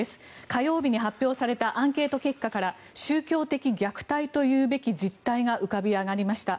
火曜日に発表されたアンケート結果から宗教的虐待といえる実態が浮かび上がりました。